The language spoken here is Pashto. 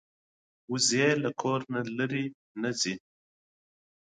وزې له کور نه لرې نه ځي